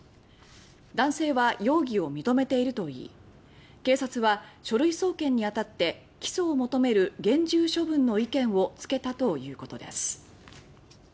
男性は、容疑を認めているといい警察は書類送検にあたって起訴を求める厳重処分の意見をつけたということです。